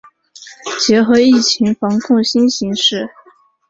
结合疫情防控新形势